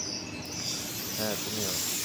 হ্যাঁ, তুমিও।